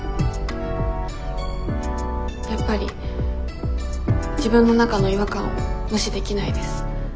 やっぱり自分の中の違和感を無視できないです。